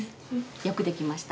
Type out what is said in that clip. よくできました。